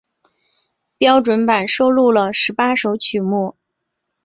标准版收录了十八首曲目。